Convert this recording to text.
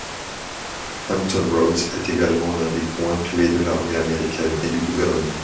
Hampton Roads est également l’un des points clés de l'armée américaine et du gouvernement.